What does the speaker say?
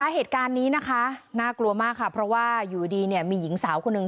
เหตุการณ์นี้นะคะน่ากลัวมากค่ะเพราะว่าอยู่ดีมีหญิงสาวคนหนึ่ง